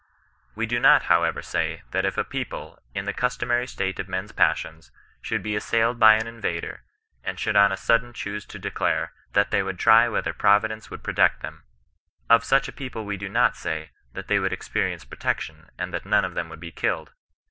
We do not however saj, that if a people, in the customary state of men's passions, should be assailed by an invader, and should on a sudden choose to declare that they would try whether Providence would protect them — of such a people we do not say, that they would experience protection, and that none of them would be killed.